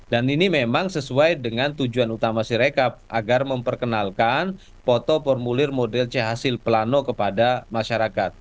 dan ini memang sesuai dengan tujuan utama sirekap agar memperkenalkan foto formulir model c hasil plano kepada masyarakat